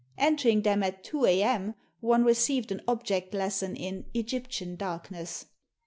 Entering them at two a.m. one received an object lesson in "Egyptian darkness."